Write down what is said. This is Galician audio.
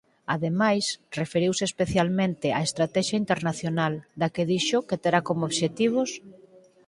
Ademais, referiuse especialmente á estratexia internacional, da que dixo que terá como obxectivos: